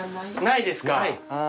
ないですかあぁ。